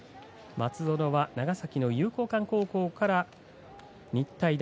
松園は長崎の猶興館高校から日体大。